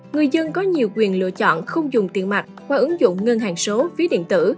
người dân có nhiều quyền lựa chọn không dùng tiền mặt qua ứng dụng ngân hàng số phí điện tử